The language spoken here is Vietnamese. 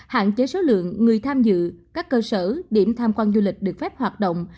hạn chế số lượng người tham dự các cơ sở điểm tham quan du lịch được phép hoạt động